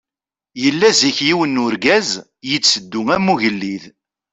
Yella zik yiwen n urgaz, yetteddu am ugellid.